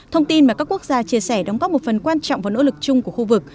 thông tin mà các quốc gia chia sẻ đóng góp một phần quan trọng vào nỗ lực chung của khu vực